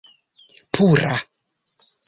pura